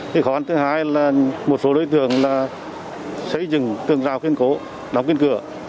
khó khăn thứ hai là một số đối tượng xây dựng tường giao khuyên cố đóng kiên cửa